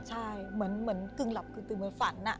ใช่เหมือนกึ่งหลับกึ่งเหมือนฝัน